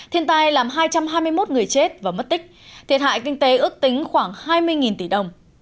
thiên tai làm hai trăm hai mươi một người chết và mất tích thiệt hại kinh tế ước tính khoảng hai mươi tỷ đồng